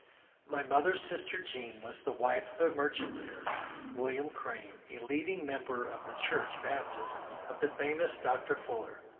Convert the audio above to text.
My mother's sister Jean was the wife of a merchant there, William Crane, a leading member of the church (Baptist) of the famous Dr. Fuller.